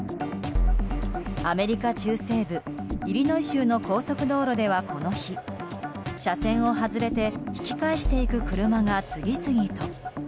アメリカ中西部イリノイ州の高速道路ではこの日、車線を外れて引き返していく車が次々と。